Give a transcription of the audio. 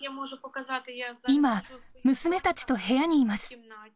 今、娘たちと部屋にいます。